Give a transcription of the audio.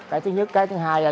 cái thứ nhất cái thứ hai